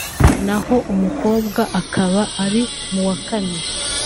naho umukobwa akaba ari mu wa kane